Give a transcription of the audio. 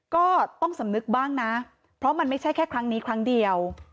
ก็ต้องสำนึกบ้างนะเพราะมันไม่ใช่แค่ครั้งนี้ครั้งเดียว